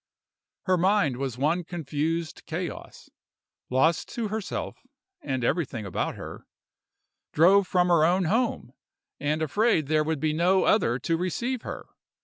Her mind was one confused chaos, lost to herself and everything about her—drove from her own home, and afraid there would be no other to receive her.